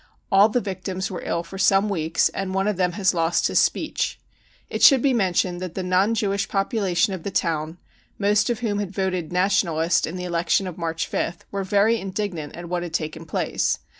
All the victims were ill for some weeks and one of them has lost his speech. It should be mentioned that the non Jewish population of the town, most of whom had voted Nationalist in the election of March 5th, were very indignant at what had taken place.